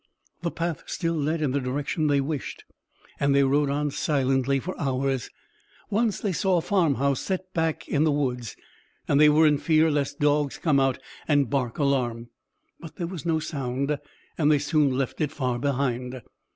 The path still led in the direction they wished and they rode on silently for hours. Once they saw a farmhouse set back in the woods, and they were in fear lest dogs come out and bark alarm, but there was no sound and they soon left it far behind.